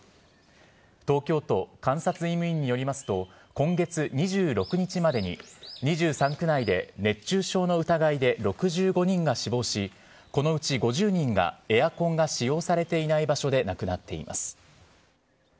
東京都監察医務院によりますと、今月２６日までに２３区内で熱中症の疑いで６５人が死亡し、このうち５０人がエアコンが使用されていない場所で亡くなっています。